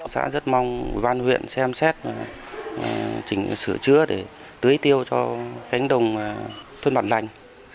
xã rất mong bàn huyện xem xét chỉnh sửa chứa để tưới tiêu cho cánh đồng thuân mặt lành